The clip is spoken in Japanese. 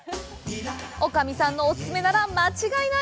女将さんのお勧めなら間違いない！